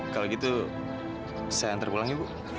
kalau gitu saya antar pulang ya bu